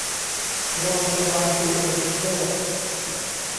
โรงพยาบาลสิริเวช